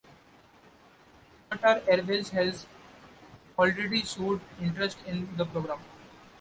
Qatar Airways has already showed interest in the program.